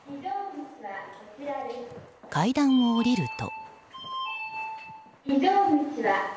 階段を降りると。